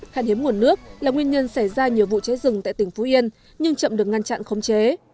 hạn hiếm nguồn nước là nguyên nhân xảy ra nhiều vụ cháy rừng tại tỉnh phú yên nhưng chậm được ngăn chặn khống chế